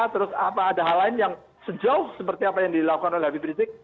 terus apa ada hal lain yang sejauh seperti apa yang dilakukan oleh habib rizik